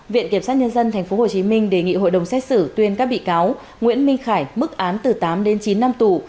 viện kiểm sát nhân dân tp hcm đề nghị hội đồng xét xử tuyên các bị cáo nguyễn minh khải mức án từ tám đến chín năm tù